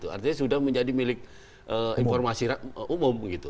artinya sudah menjadi milik informasi umum gitu